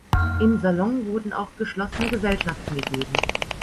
Im Salon wurden auch geschlossene Gesellschaften gegeben.